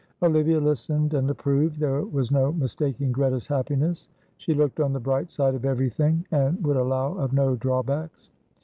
Olivia listened and approved; there was no mistaking Greta's happiness; she looked on the bright side of everything, and would allow of no drawbacks.